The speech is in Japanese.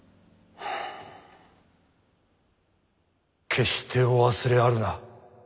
決してお忘れあるな。